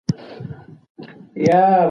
انا خپل نیت په ډېرې عاجزۍ سره وتاړه.